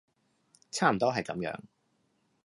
差唔多係噉樣